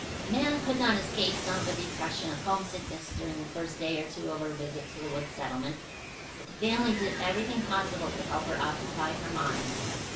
Nan could not escape some of the depression of homesickness during the first day or two of her visit to the woods settlement; but the family did everything possible to help her occupy her mind.